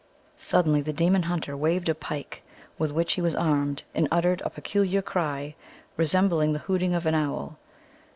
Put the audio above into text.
Suddenly the demon hunter waved a pike with which he was armed, and uttered a peculiar cry, resembling the hooting of an owl.